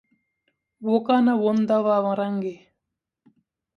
Woka na vonda Va marangi.